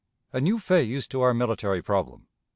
A New Phase to our Military Problem.